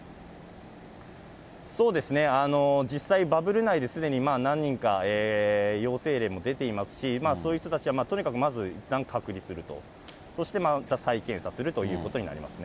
そうですね、実際、バブル内ですでに何人か陽性例も出ていますし、そういう人たちは、とにかくまずいったん隔離すると、そしてまた再検査するということ